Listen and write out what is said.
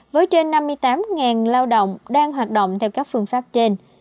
với trên năm mươi tám lao động đang hoạt động theo các phương pháp trên